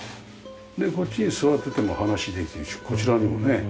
こっちに座ってても話できるしこちらにもね。